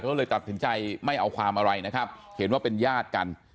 ก็เลยตัดสินใจไม่เอาความอะไรนะครับเห็นว่าเป็นญาติกัน